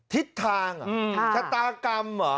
ทิศทางอ่ะชัตรากรรมอ่ะ